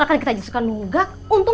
ada yang ditutup tutupin